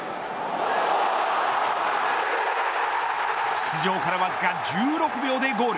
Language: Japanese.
出場からわずか１６秒でゴール。